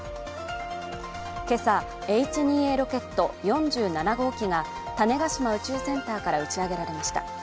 今朝Ｈ２Ａロケット４７号機が種子島宇宙センターから打ち上げられました。